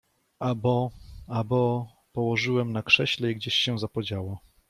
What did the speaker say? — A bo… a bo… położyłem na krześle i gdzieś się zapodziało.